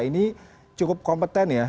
ini cukup kompeten ya